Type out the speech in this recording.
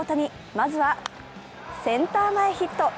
まずはセンター前ヒット。